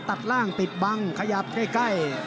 ตัดล่างปิดบังขยับใกล้